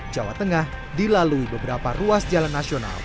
jawa tengah dilalui beberapa ruas jalan nasional